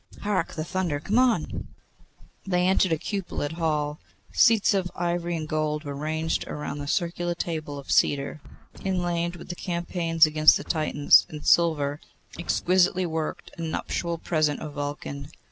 Hark! the thunder. Come on!' They entered a cupolaed hall. Seats of ivory and gold were ranged round a circular table of cedar, inlaid with the campaigns against the Titans, in silver exquisitely worked, a nuptial present of Vulcan.